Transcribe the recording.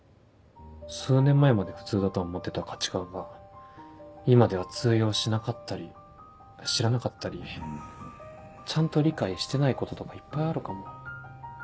数年前まで普通だと思ってた価値観が今では通用しなかったり知らなかったりちゃんと理解してないこととかいっぱいあるかも。